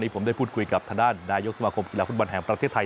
ที่ผมได้พูดคุยกับท่านด้านนายกสมคมอิทยาลัยฟุตบันแห่งประเทศไทย